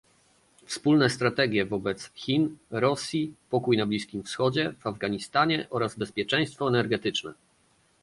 wspólne strategie wobec Chin, Rosji, pokój na Bliskim Wschodzie, w Afganistanie, oraz bezpieczeństwo energetyczne